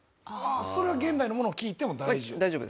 それは現代のものを聴いても大丈夫？